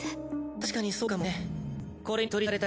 確かにそうかもね。